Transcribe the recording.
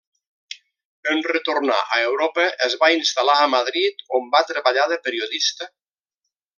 En retornar a Europa es va instal·lar a Madrid on va treballar de periodista.